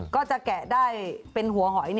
แกะได้เป็นหัวหอย